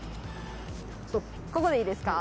ここでいいですか？